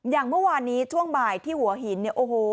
อย่างเมื่อวานนี้ช่วงบ่ายที่หัวหินเนี่ยโอ้โห